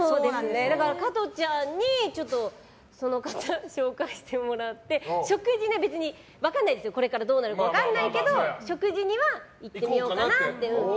だから、加トちゃんにその方を紹介してもらって食事で、別にこれからどうなるか分からないけど食事には行ってみようかなって。